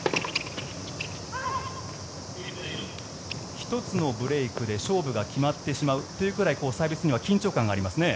１つのブレークで勝負が決まってしまうというぐらいサービスには緊張感がありますね。